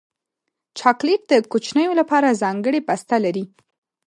چاکلېټ د کوچنیو لپاره ځانګړی بسته لري.